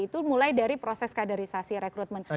itu mulai dari proses kaderisasi rekrutmen